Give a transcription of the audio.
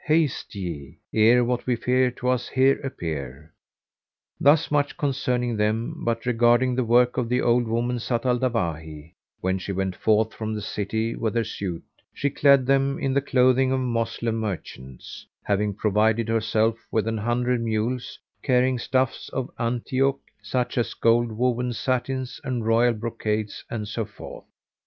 haste ye! ere what we fear to us here appear." Thus much concerning them; but regarding the work of the old woman, Zat al Dawahi; when she went forth from the city with her suite, she clad them in the clothing of Moslem merchants, having provided herself with an hundred mules carrying stuffs of Antioch, such as goldwoven satins and royal brocades and so forth.